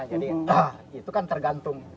jadi itu kan tergantung